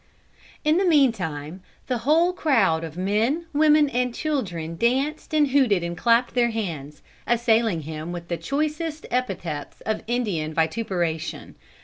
"In the mean time the whole crowd of men, women and children danced and hooted and clapped their hands, assailing him with the choicest epithets of Indian vituperation.